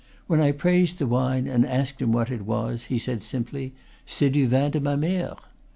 When I praised the wine and asked him what it was, he said simply, "C'est du vin de ma mere!"